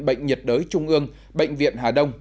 bệnh nhiệt đới trung ương bệnh viện hà đông